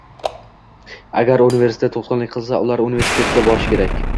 Agar universitet toʻsqinlik qilsa, ular universitetga borishi kerak.